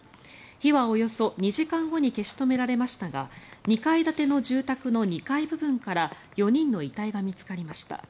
火はおよそ２時間後に消し止められましたが２階建ての住宅の２階部分から４人の遺体が見つかりました。